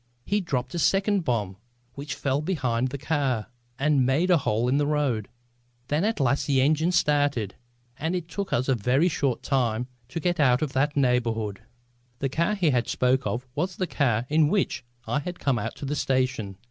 He dropped a second bomb which fell behind the car and made a hole in the road. Then at last the engine started, and it took us a very short time to get out of that neighbourhood." The car he spoke of was the car in which I had come out to the station.